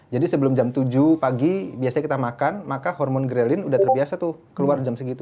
jadi sebelum jam tujuh pagi biasanya kita makan maka hormon ghrelin udah terbiasa tuh keluar jam segitu